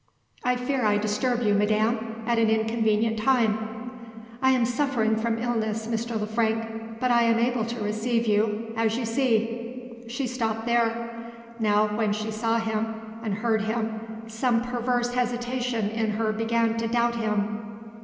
"I fear I disturb you, madam, at an inconvenient time." "I am suffering from illness, Mr. Le Frank; but I am able to receive you as you see." She stopped there. Now, when she saw him, and heard him, some perverse hesitation in her began to doubt him.